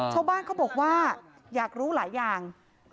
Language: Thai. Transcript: ชาวบ้านเขาบอกว่าอยากรู้หลายอย่าง